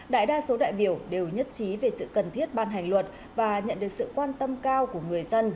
đại đa số đại biểu đều nhất trí về sự cần thiết ban hành luật và nhận được sự quan tâm cao của người dân